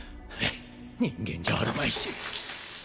人間じゃあるまいし。